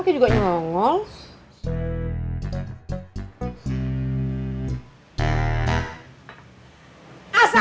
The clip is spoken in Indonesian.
ke mana negara